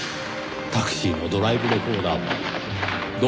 タクシーのドライブレコーダーも同様です。